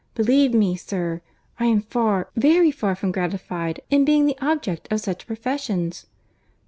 Believe me, sir, I am far, very far, from gratified in being the object of such professions."